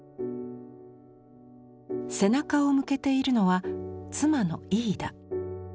背中を向けているのは妻のイーダ。